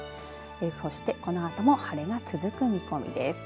そして、このあとも晴れが続く見込みです。